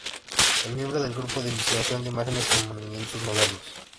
Es miembro del Grupo de Investigación de Imágenes en Movimiento Modernas.